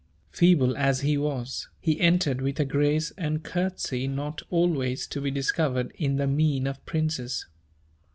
Feeble as he was, he entered with a grace and courtesy not always to be discovered in the mien of princes.